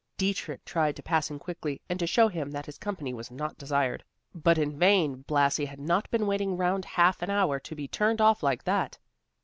Dietrich tried to pass him quickly, and to show him that his company was not desired, but in vain Blasi had not been waiting round half an hour to be turned off like that.